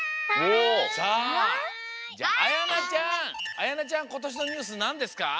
あやなちゃんことしのニュースなんですか？